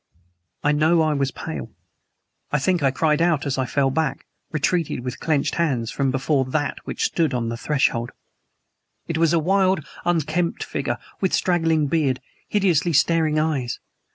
I know I was very pale. I think I cried out as I fell back retreated with clenched hands from before THAT which stood on the threshold. It was a wild, unkempt figure, with straggling beard, hideously staring eyes.